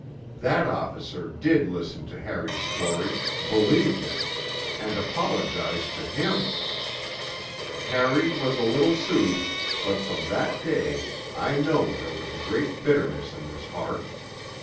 That officer did listen to Harry's story, believed it, and apologized to him. Harry was a little soothed, but from that day I know there was a great bitterness in his heart.